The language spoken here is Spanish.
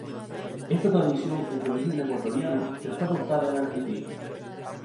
Esta tradición es de origen ecuatoriano que fue adoptada en Argentina.